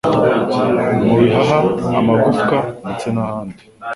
mu bihaha amagufwa ndetse nahandi